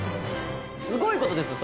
すごい事ですよ。